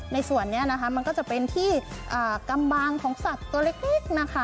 ในส่วนนี้นะคะมันก็จะเป็นที่กำบางของสัตว์ตัวเล็กนะคะ